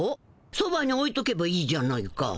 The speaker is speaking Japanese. そばにおいとけばいいじゃないか。